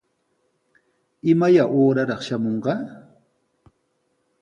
¿Imaya uuraraq shamunqa?